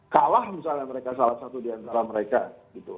kalah misalnya mereka salah satu diantara mereka gitu